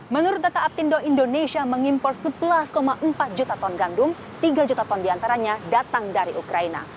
menurut data apindo indonesia mengimpor sebelas empat juta ton gandum tiga juta ton diantaranya datang dari ukraina